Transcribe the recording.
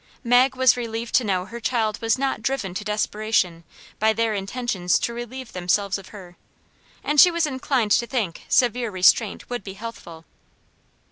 Mag was relieved to know her child was not driven to desperation by their intentions to relieve themselves of her, and she was inclined to think severe restraint would be healthful.